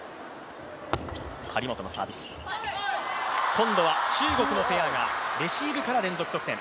今度は中国のペアがレシーブから連続得点。